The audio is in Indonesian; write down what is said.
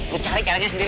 lu cari caranya sendiri